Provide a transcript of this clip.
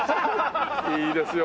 いいですよ